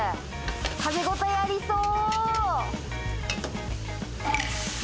食べごたえありそう！